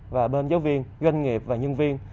và bên giáo viên doanh nghiệp và nhân viên